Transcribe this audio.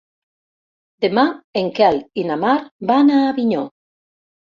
Demà en Quel i na Mar van a Avinyó.